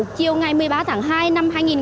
chiều ngày một mươi ba tháng hai